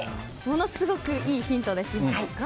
ものすごくいいヒントですね。